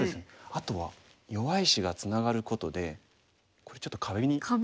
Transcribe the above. あとは弱い石がツナがることでこれちょっと壁に見えません？